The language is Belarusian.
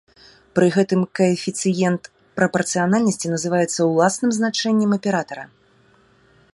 Пры гэтым каэфіцыент прапарцыянальнасці называецца ўласным значэннем аператара.